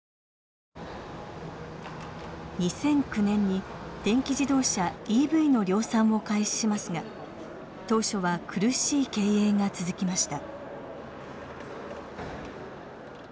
２００９年に電気自動車ＥＶの量産を開始しますが当初は苦しい経営が続きました。